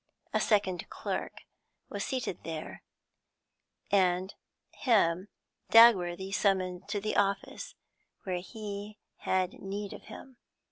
A second clerk was seated there, and him Dagworthy summoned to the office, where he had need of him.